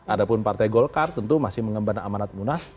ada pun partai golkar tentu masih mengemban amanat munas